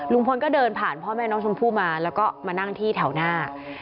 ลุงพลก็เดินผ่านพ่อแม่น้องชมพู่มาแล้วก็มานั่งที่แถวหน้า